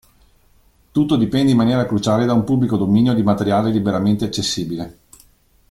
Tutto dipende in maniera cruciale da un pubblico dominio di materiale liberamente accessibile.